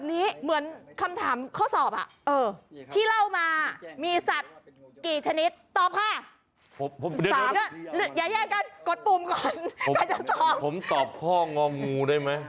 นี่ฉันไม่ได้ทำงองู